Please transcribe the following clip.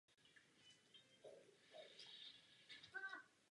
Císařem a králem Matyášem byl však tento sjezd zakázán.